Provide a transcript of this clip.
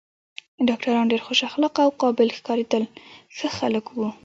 ډاکټران ډېر خوش اخلاقه او قابل ښکارېدل، ښه خلک و.